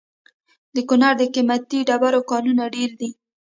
د کونړ د قیمتي ډبرو کانونه ډیر دي؟